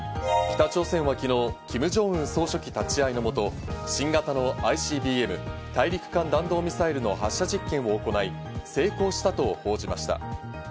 北朝鮮は昨日、キム・ジョンウン総書記立ち会いのもと、新型のＩＣＢＭ＝大陸間弾道ミサイルの発射実験を行い、成功したと報じました。